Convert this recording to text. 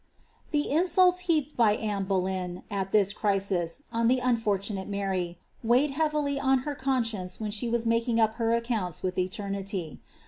The insults heaped by Anne Boleyn, at this crisis, on the unfortunate Mary, weighed heavily on her conscience when she was making op her accounts with eternity.